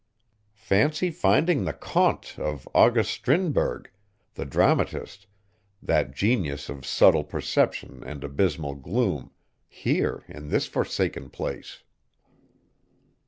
Fancy finding the contes of August Strindberg, the dramatist, that genius of subtle perception and abysmal gloom, here in this forsaken place.